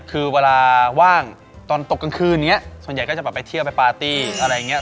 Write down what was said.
คือเวลาว่างตอนตกกลางคืนอย่างนี้ส่วนใหญ่ก็จะแบบไปเที่ยวไปปาร์ตี้อะไรอย่างนี้